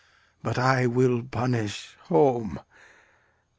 But I will punish home!